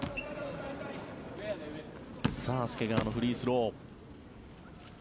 介川のフリースロー。